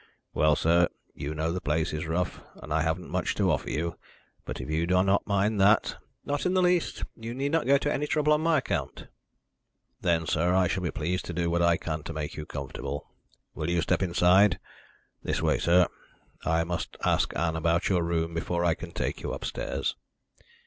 "Well, sir, you know the place is rough and I haven't much to offer you. But if you do not mind that " "Not in the least. You need not go to any trouble on my account." "Then, sir, I shall be pleased to do what I can to make you comfortable. Will you step inside? This way, sir I must ask Ann about your room before I can take you upstairs."